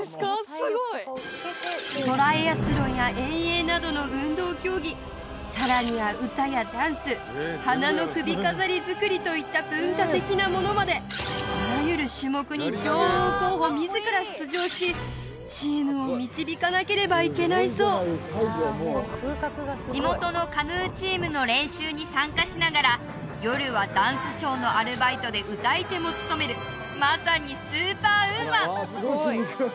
すごいトライアスロンや遠泳などの運動競技さらには歌やダンス花の首飾りづくりといった文化的なものまであらゆる種目に女王候補自ら出場しチームを導かなければいけないそう地元のカヌーチームの練習に参加しながら夜はダンスショーのアルバイトで歌い手も務めるまさにスーパーウーマン